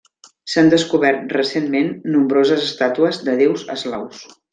S'han descobert recentment nombroses estàtues de déus eslaus.